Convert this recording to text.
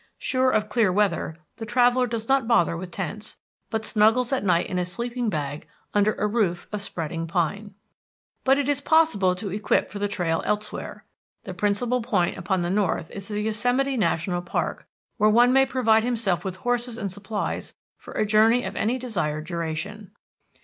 Sure of clear weather, the traveller does not bother with tents, but snuggles at night in a sleeping bag under a roof of spreading pine. But it is possible to equip for the trail elsewhere. The principal point upon the north is the Yosemite National Park, where one may provide himself with horses and supplies for a journey of any desired duration.